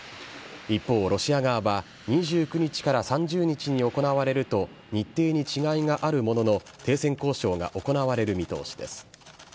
一方、ロシア側は２９日から３０日に行われると、日程に違いがあるものの、停戦交渉が行われる見通しです。